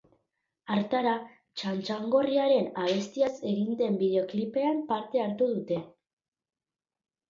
Hartara, txantxagorriaren abestiaz egin den bideoklipean parte hartu dute.